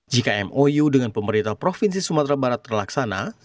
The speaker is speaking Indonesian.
jika mou dengan pemerintah provinsi sumatera barat terlaksana